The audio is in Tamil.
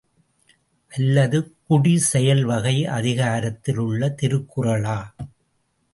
அல்லது குடிசெயல்வகை அதிகாரத்தில் உள்ள திருக்குறளா?